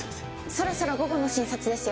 そろそろ午後の診察ですよ。